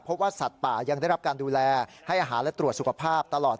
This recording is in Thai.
เพราะว่าสัตว์ป่ายังได้รับการดูแลให้อาหารและตรวจสุขภาพตลอด